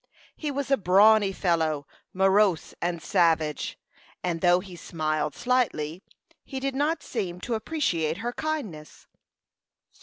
He was a brawny fellow, morose and savage, and though he smiled slightly, he did not seem to appreciate her kindness.